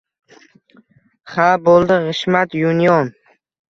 - Xa bo‘ldi G‘ishmat Yunion...